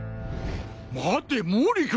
待て毛利君！